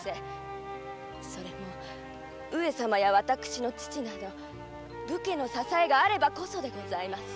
それも上様や私の父など武家の支えがあればこそでございます。